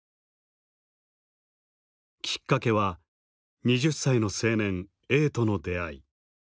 きっかけは２０歳の青年Ａとの出会い。